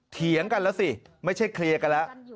เถียงกันแล้วสิไม่ใช่เคลียร์กันแล้ว